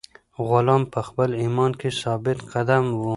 غلام په خپل ایمان کې ثابت قدم و.